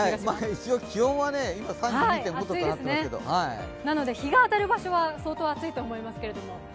一応、気温は３２．５度となってますけどもなので日が当たる場所は相当暑いと思いますけれども。